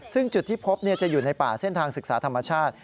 ซึ่งจุดที่พบจะอยู่ในป่าเส้นทางศึกษาธรรมชาติ